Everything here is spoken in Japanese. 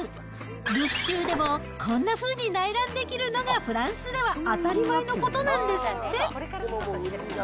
留守中でも、こんなふうに内覧できるのが、フランスでは当たり前のことなんですって。